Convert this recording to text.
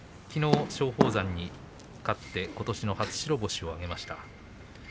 きのう松鳳山に勝ってことしの初白星を挙げました。